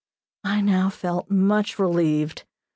I now felt much relieved.